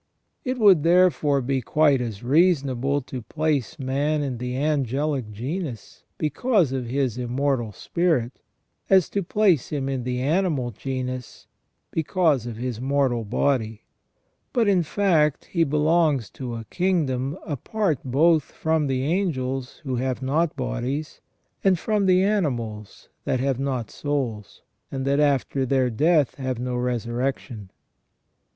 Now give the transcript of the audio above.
It would therefore be quite as reasonable to place man in the angelic genus because of his immortal spirit, as to place him in the animal genus because of his mortal body ; but in fact he belongs to a kingdom apart both from the angels who have not bodies, and from the animals that have not souls, and that after their death have no resurrec tion.